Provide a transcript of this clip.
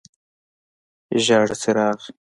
ژیړ څراغ: